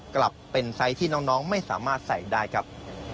กลับเป็นไซส์ที่น้องไม่สามารถใส่ได้ครับ